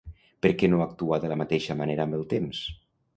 Per què no actuar de la mateixa manera amb el temps?